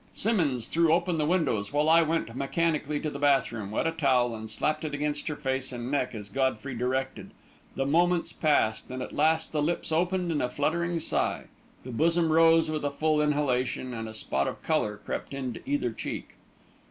Simmonds threw open the windows, while I went mechanically to the bath room, wet a towel, and slapped it against her face and neck as Godfrey directed. The moments passed, and at last the lips opened in a fluttering sigh, the bosom rose with a full inhalation, and a spot of colour crept into either cheek.